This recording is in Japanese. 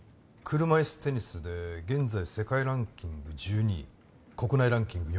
車いすテニスで現在世界ランキング１２位国内ランキング